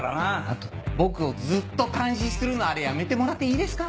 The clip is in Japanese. あと僕をずっと監視するのあれやめてもらっていいですか？